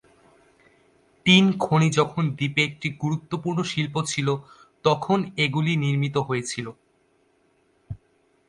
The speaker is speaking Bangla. টিন খনি যখন দ্বীপে একটি গুরুত্বপূর্ণ শিল্প ছিল তখন এগুলি নির্মিত হয়েছিল।